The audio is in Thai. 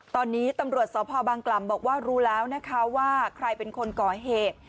ตอนนี้ตำรวจสพบางกล่ำบอกว่ารู้แล้วนะคะว่าใครเป็นคนก่อเหตุ